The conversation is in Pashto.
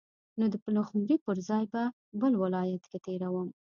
نو د پلخمري پر ځای به بل ولایت کې تیروم.